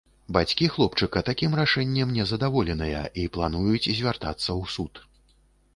Бацькі хлопчыка такім рашэннем не задаволеныя і плануюць звяртацца ў суд.